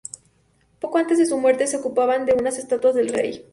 Poco antes de su muerte se ocupaba de unas estatuas del "Rey.